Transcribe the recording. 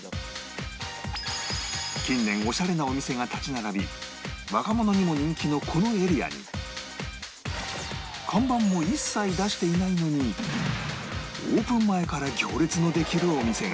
近年オシャレなお店が立ち並び若者にも人気のこのエリアに看板を一切出していないのにオープン前から行列のできるお店が